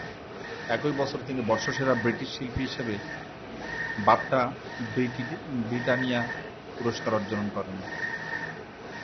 একই বছর তিনি বর্ষসেরা ব্রিটিশ শিল্পী হিসেবে বাফটা ব্রিটানিয়া পুরস্কার অর্জন করেন।